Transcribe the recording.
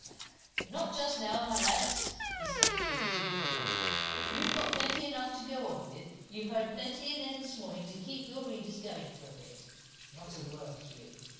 "Not just now, my lads!" said he good humouredly. "You've got plenty enough to go on with you've heard plenty in there this morning to keep your readers going for a bit. Not a word, Hugh!